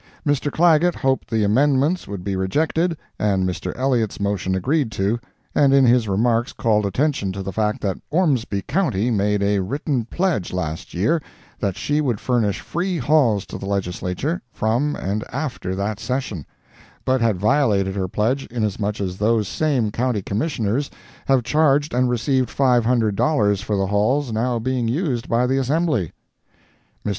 Mr. Clagett hoped the amendments would be rejected and Mr. Elliott's motion agreed to, and in his remarks called attention to the fact that Ormsby county made a written pledge last year that she would furnish free halls to the Legislature from and after that session—but had violated her pledge, inasmuch as those same County Commissioners have charged and received $500 for the halls now being used by the Assembly. Mr.